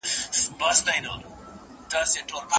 آیا اسیا تر اروپا لویه ده؟